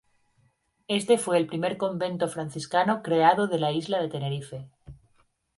Éste fue el primer convento franciscano creado de la isla de Tenerife.